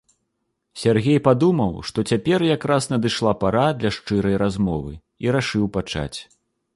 Сяргей падумаў, што цяпер якраз надышла пара для шчырай размовы, і рашыў пачаць.